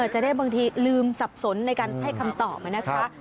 จะได้บางทีลืมสับสนในการให้คำตอบนะคะ